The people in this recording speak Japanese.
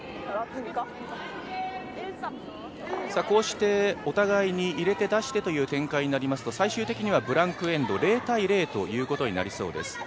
こうしてお互いに入れて出してという展開になりますと最終的にはブランク・エンド０−０ということになりそうです。